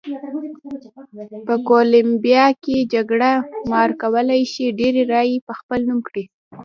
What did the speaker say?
په کولمبیا کې جګړه مار کولای شي ډېرې رایې په خپل نوم کړي.